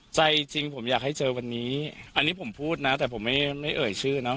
ใจจริงผมอยากให้เจอวันนี้อันนี้ผมพูดนะแต่ผมไม่ไม่เอ่ยชื่อเนอะ